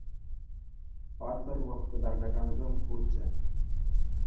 Паттӑрлӑх кӑтартакансем пурччӗ.